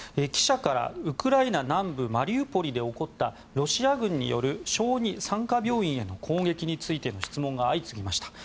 記者からウクライナ南部マリウポリで起こったロシア軍による小児・産科病院への攻撃についての質問が相次ぎました。